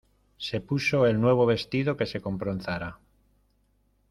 Se puso el nuevo vestido que se compró en Zara.